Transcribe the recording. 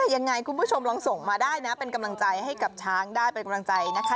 ยังไงคุณผู้ชมลองส่งมาได้นะเป็นกำลังใจให้กับช้างได้เป็นกำลังใจนะคะ